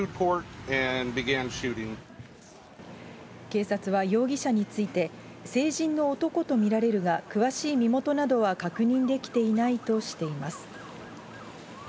警察は、容疑者について、成人の男と見られるが、詳しい身元などは確認できていないとしています。